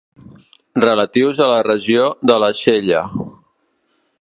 Relatius a la regió de l'aixella.